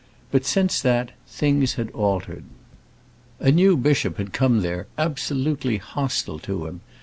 But since that things had altered. A new bishop had come there, absolutely hostile to him.